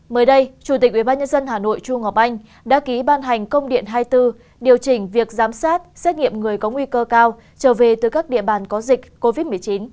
mới đây chủ tịch ubnd hà nội chu ngọc anh đã ký ban hành công điện hai mươi bốn điều chỉnh việc giám sát xét nghiệm người có nguy cơ cao trở về từ các địa bàn có dịch covid một mươi chín